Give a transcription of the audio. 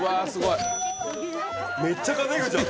めっちゃ稼ぐじゃん！